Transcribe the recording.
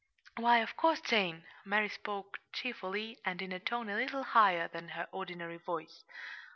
"Why, of course, Jane!" Mary spoke cheerfully, and in a tone a little higher than her ordinary voice.